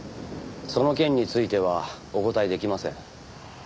その件についてはお答えできません。